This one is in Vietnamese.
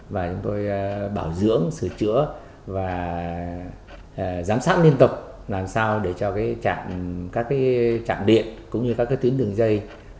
và chúng tôi bảo dưỡng sửa chữa và giám sát liên tục làm sao để cho các trạm điện cũng như các tuyến đường dây